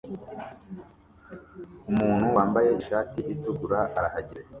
Umuntu wambaye ishati itukura arahagaze